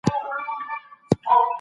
وخت او زمان تل په تیریدو دي.